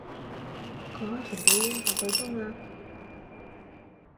個海豚表演就夠鐘喇